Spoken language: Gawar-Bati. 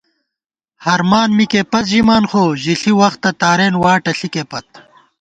ہرمان مِکے پت ژِمان خو ژِݪی وختہ تارېن واٹہ ݪِکے پت